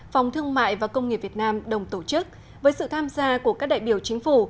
phòng thương mại và công nghiệp việt nam đồng tổ chức với sự tham gia của các đại biểu chính phủ